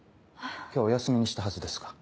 今日お休みにしたはずですが。